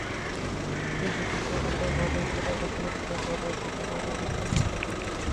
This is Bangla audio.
দুই প্রতিষ্ঠানের মূল মালিকেরা আলোচনা করে পরবর্তী সময়ে এটি ঠিক করবেন।